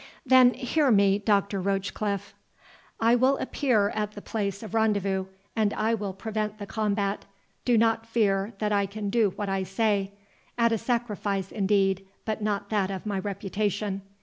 "Then, hear me, Doctor Rochecliffe—I will appear at the place of rendezvous, and I will prevent the combat—do not fear that I can do what I say—at a sacrifice, indeed, but not that of my reputation.